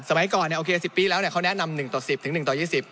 สมัยก่อนเนี่ยโอเค๑๐ปีแล้วเนี่ยเขาแนะนำ๑ต่อ๑๐ถึง๑ต่อ๒๐